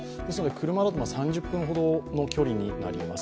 車だと３０分ほどの距離になります。